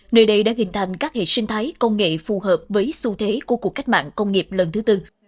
nơi đây đã hình thành các hệ sinh thái công nghệ phù hợp với xu thế của cuộc cách mạng công nghiệp lần thứ tư